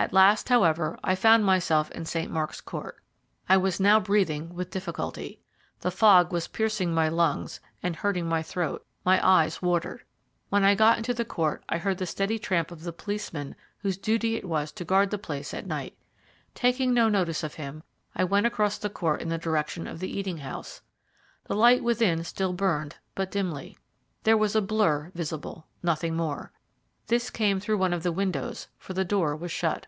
At last, however, I found myself in St. Mark's Court. I was now breathing with difficulty: the fog was piercing my lungs and hurting my throat, my eyes watered. When I got into the court I heard the steady tramp of the policeman whose duty it was to guard the place at night. Taking no notice of him, I went across the court in the direction of the eating house. The light within still burned, but dimly. There was a blur visible, nothing more. This came through one of the windows, for the door was shut.